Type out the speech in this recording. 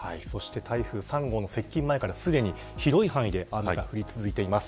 台風３号の接近前からすでに広い範囲で雨が降り続いています。